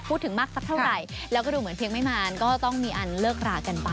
พูดถึงมากสักเท่าไหร่แล้วก็ดูเหมือนเพียงไม่นานก็ต้องมีอันเลิกรากันไป